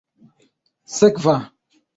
sekva